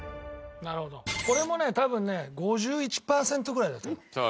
これもね多分ね５１パーセントぐらいだと思う。